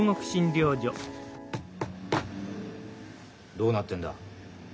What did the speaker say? どうなってんだ？